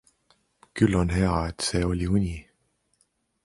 Küll on hea, et see oli uni.